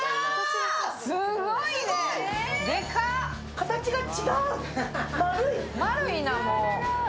形が違う！